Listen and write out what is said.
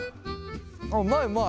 あっうまいうまい。